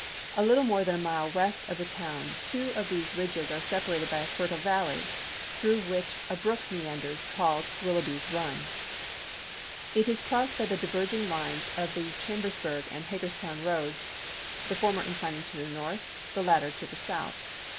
A little more than a mile west of the town two of these ridges are separated by a fertile valley, through which a brook meanders called Willoughby's Eun. GETTYSBUKG 237 It is crossed by the diverging lines of the Cham chap. ix. bersburg and Hagerstown roads, the former inclin ing to the north, the latter to the south.